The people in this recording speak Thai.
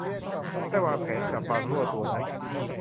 ได้วางแผนจับบ่างลั่วตัวนั้น